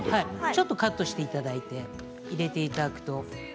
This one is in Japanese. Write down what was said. ちょっとカットしていただいて入れていただくと。